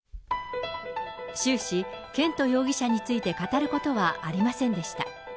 終始、絢斗容疑者について語ることはありませんでした。